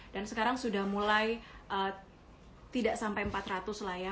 dan sekarang sudah mulai tidak sampai empat ratus lah ya